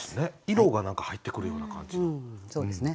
色が何か入ってくるような感じの気がします。